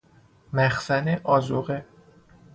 مخزن آذوقه